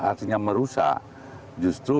artinya merusak justru